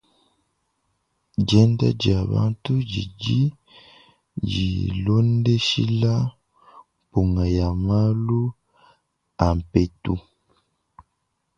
Dienda dia bantu didi dilondeshila mpunga ya malu a mpetu.